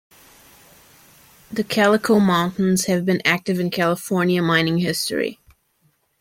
The Calico Mountains have been active in California mining history.